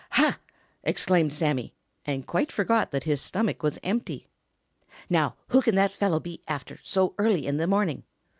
"Ha!" exclaimed Sammy, and quite forgot that his stomach was empty. "Now who can that fellow be after so early in the morning?